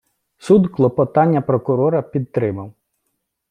Суд клопотання прокурора підтримав.